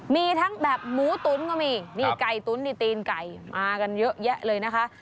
มีทั้งแบบหมูตุ๋นก็มีนี่ไก่ตุ๋นนี่ตีนไก่มากันเยอะแยะเลยนะคะ